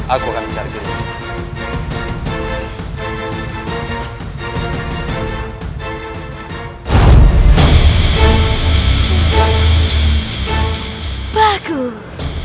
aku akan mencari tempat istirahat